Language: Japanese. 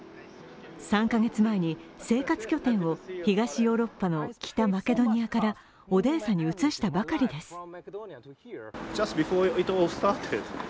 ３カ月前に生活拠点を東ヨーロッパの北マケドニアからオデーサに移したばかりです。